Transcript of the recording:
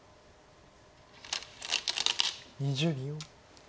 ２０秒。